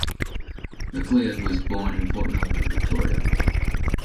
McLeod was born in Port Melbourne, Victoria.